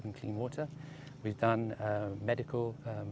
kami telah melakukan pembedahan